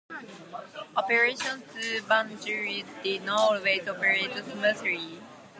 Operations to Banjul did not always operate smoothly.